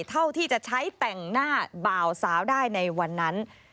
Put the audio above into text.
เท่าที่จะใช้แต่งหน้าบ่าวสาวได้ในวันนั้น